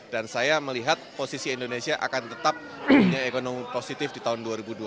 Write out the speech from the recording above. dan saya melihat posisi indonesia akan tetap punya ekonomi positif di tahun dua ribu dua puluh tiga